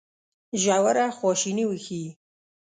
ژوره خواشیني وښيي.